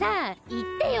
言ってよ。